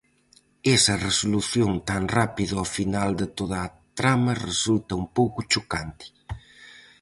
Esa resolución tan rápida ao final de toda a trama resulta un pouco chocante...